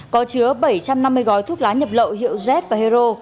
có chứa bảy trăm năm mươi gói thuốc lá nhập lậu hiệu z và hero